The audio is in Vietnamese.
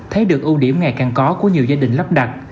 thấy được ưu điểm ngày càng có của nhiều gia đình lắp đặt